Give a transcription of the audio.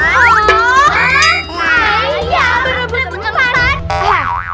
ayam berebut tempat